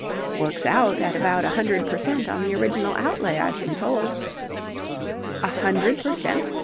"Works out at about a hundred per cent on the original outlay, I've been told." "A hundred per cent?